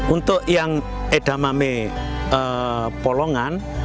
untuk yang edamame polongan